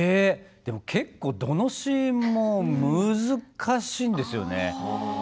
結構どのシーンも難しいんですよね。